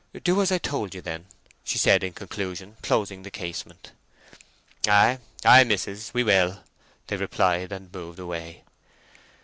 "Do as I told you, then," she said in conclusion, closing the casement. "Ay, ay, mistress; we will," they replied, and moved away.